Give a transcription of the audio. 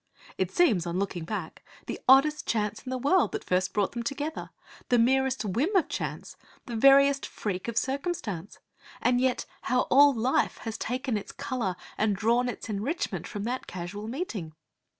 It seems, on looking back, the oddest chance in the world that first brought them together, the merest whim of chance, the veriest freak of circumstance; and yet how all life has taken its colour and drawn its enrichment from that casual meeting!